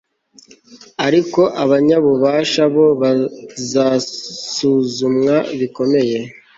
ariko abanyabubasha bo bazasuzumwa bikomeye